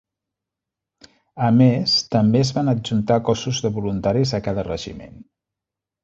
A més, també es van adjuntar cossos de voluntaris a cada regiment.